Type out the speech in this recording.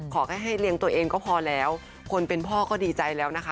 ขอให้ให้เลี้ยงตัวเองก็พอแล้วคนเป็นพ่อก็ดีใจแล้วนะคะ